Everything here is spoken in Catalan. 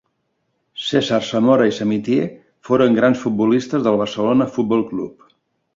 César, Zamora i Samitier foren grans futbolistes del Barcelona fútbol club